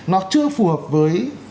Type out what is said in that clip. nó chưa phù hợp với